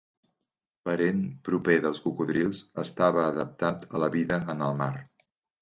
Parent proper dels cocodrils, estava adaptat a la vida en el mar.